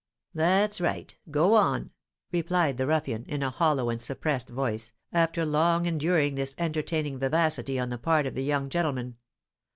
"That's right! go on!" replied the ruffian, in a hollow and suppressed voice, after long enduring this entertaining vivacity on the part of the young gentleman.